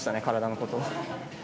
体のことを。